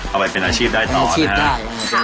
เอาไปเป็นอาชีพได้ต่อชีวิตนะครับ